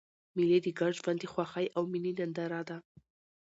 مېلې د ګډ ژوند د خوښۍ او میني ننداره ده.